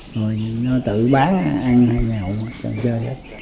rồi nó tự bán ăn nhậu chơi hết